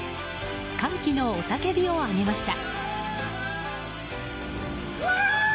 歓喜の雄たけびを上げました。